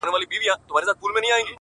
په سپين لاس کي يې دی سپين سگريټ نيولی،